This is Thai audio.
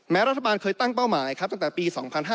แม้รัฐบาลเคยตั้งเป้าหมายตั้งแต่ปี๒๕๔๒